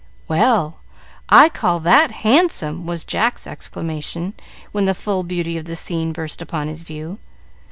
"Well, I call that handsome!" was Jack's exclamation, when the full beauty of the scene burst upon his view.